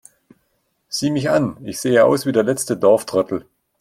Sieh mich an, ich sehe aus wie der letzte Dorftrottel!